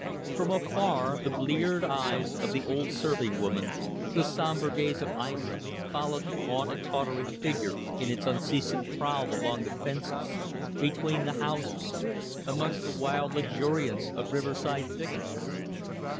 From afar, the bleared eyes of the old serving woman, the sombre gaze of Aissa followed the gaunt and tottering figure in its unceasing prowl along the fences, between the houses, amongst the wild luxuriance of riverside thickets.